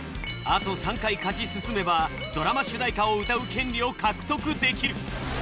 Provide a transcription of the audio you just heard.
あと３回勝ち進めばドラマ主題歌を歌う権利を獲得できる。